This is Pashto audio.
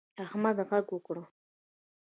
احمد غږ وکړ.